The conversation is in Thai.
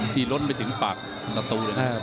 พี่ลดไปถึงปากประตูเลยนะครับ